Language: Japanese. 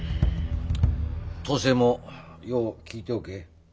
登勢もよう聞いておけ。